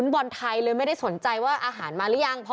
พี่ติ๊กชีโร่